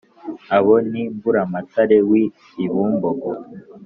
Abo ni Mburamatare wi i bumbogo